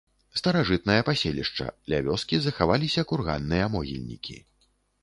Старажытнае паселішча, ля вёскі захаваліся курганныя могільнікі.